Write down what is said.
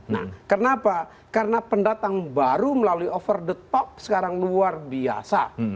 nah kenapa karena pendatang baru melalui over the top sekarang luar biasa